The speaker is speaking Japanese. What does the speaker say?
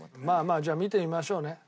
まあまあじゃあ見てみましょうね。